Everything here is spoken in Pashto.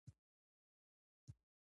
د ګور کلمه د کبر مانا نه ده.